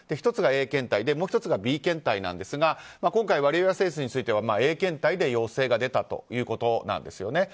１つがＡ検体もう１つがＢ検体なんですが今回ワリエワ選手についてはＡ検体で陽性が出たということです。